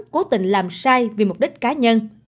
cố tình làm sai vì mục đích cá nhân